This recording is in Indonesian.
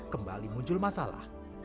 kembali muncul masalah